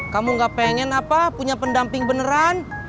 kamu gak pengen punya pendamping beneran